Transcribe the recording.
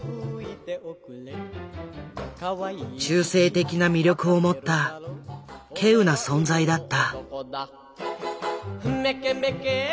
中性的な魅力を持った希有な存在だった。